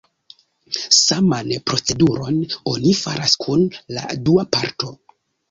Saman proceduron oni faras kun la dua parto.